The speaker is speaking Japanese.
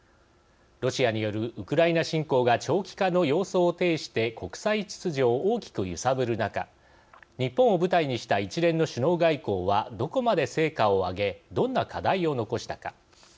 ロシアによる、ウクライナ侵攻が長期化の様相を呈して国際秩序を大きく揺さぶる中日本を舞台にした一連の首脳外交はどこまで成果を挙げどんな課題を残したか。